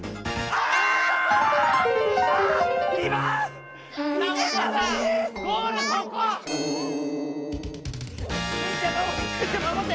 あっ！